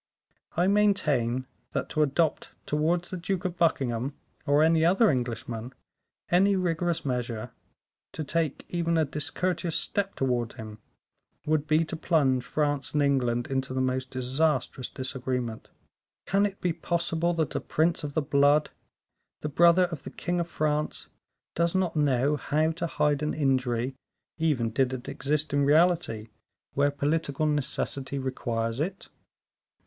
I maintain, that, to adopt towards the Duke of Buckingham, or any other Englishman, any rigorous measure to take even a discourteous step towards him, would be to plunge France and England into the most disastrous disagreement. Can it be possible that a prince of the blood, the brother of the king of France, does not know how to hide an injury, even did it exist in reality, where political necessity requires it?"